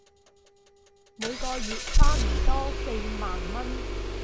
每個月差唔多四萬文